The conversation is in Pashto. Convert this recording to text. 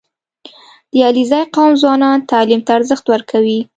• د علیزي قوم ځوانان تعلیم ته ارزښت ورکوي.